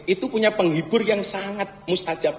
itu punya penghibur yang sangat mustajab